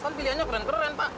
kan pilihannya keren keren pak